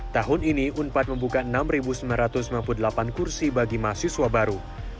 tahun ini unpad membuka enam sembilan ratus sembilan puluh delapan kursi bagi mahasiswa baru